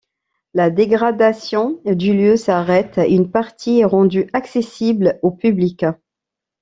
La dégradation du lieu s'arrête et une partie est rendue accessible au public.